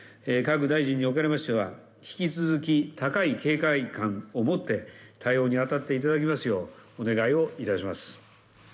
各大臣におかれましては、引き続き、高い警戒感を持って対応に当たっていただきますよう、お願いをいたします。